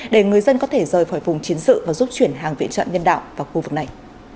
để người dân có thể rời khỏi vùng chiến sự và giúp chuyển hàng viện trận nhân đạo vào khu vực này